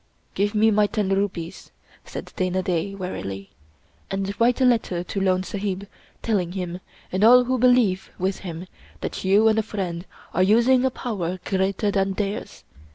" Give me my ten rupees," said Dana Da, wearily, " and write a letter to Lone Sahib, telling him, and all who be lieve with him, that you and a friend are using a power greater than theirs.